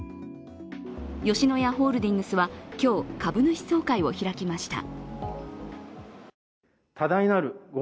吉野家ホールディングスは今日、株主総会を開きました。